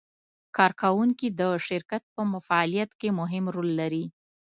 کارکوونکي د شرکت په فعالیت کې مهم رول لري.